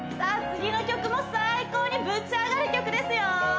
次の曲も最高にぶち上がる曲ですよ